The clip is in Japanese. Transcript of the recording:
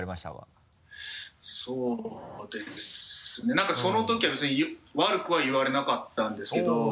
何かそのときは別に悪くは言われなかったんですけど。